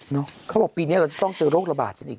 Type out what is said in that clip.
เขาบอกปีนี้เราจะต้องเจอโรคระบาดกันอีก